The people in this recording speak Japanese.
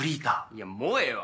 いやもうええわ。